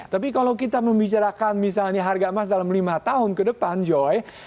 tapi kalau kita membicarakan misalnya harga emas dalam lima tahun ke depan joy